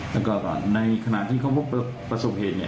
แล้วก็ในขณะที่เขาประสบเหตุ